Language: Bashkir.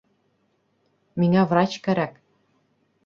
Миңә врач кәрәк